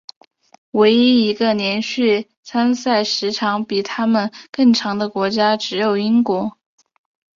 唯一一个连续参赛时间比他们更长的国家只有英国。